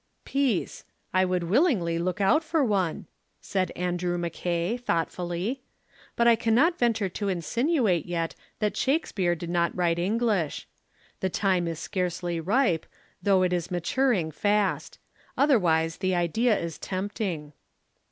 "Peace. I would willingly look out for one," said Andrew Mackay, thoughtfully. "But I cannot venture to insinuate yet that Shakespeare did not write English. The time is scarcely ripe, though it is maturing fast. Otherwise the idea is tempting."